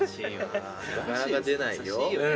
なかなか出ないよ。